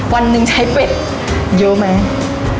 วันหนึ่งใช้เป็ดเยอะไหม